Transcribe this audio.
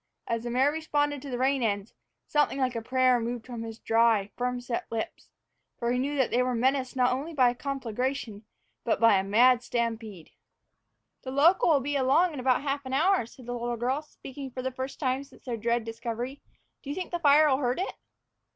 As the mare responded to the rein ends, something like a prayer moved his dry, firm set lips. For he knew that they were menaced not only by a conflagration, but by a mad stampede. "The local'll be along in about half an hour," said the little girl, speaking for the first time since their dread discovery. "Do you think the fire'll hurt it?"